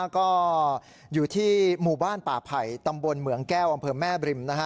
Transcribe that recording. ก็อยู่ที่หมู่บ้านป่าไผ่ตำบลเหมืองแก้วอำเภอแม่บริม